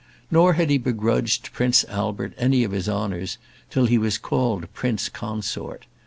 Nor had he begrudged Prince Albert any of his honours till he was called Prince Consort.